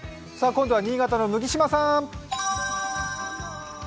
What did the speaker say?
今度は新潟の麦島さん。